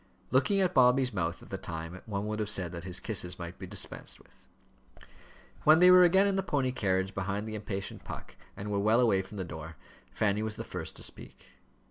Looking at Bobby's mouth at the time, one would have said that his kisses might be dispensed with. When they were again in the pony carriage, behind the impatient Puck, and were well away from the door, Fanny was the first to speak.